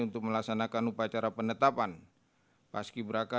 untuk melaksanakan upacara penetapan paski beraka